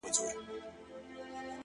د قهر په وارونو کي کمبود هم ستا په نوم و”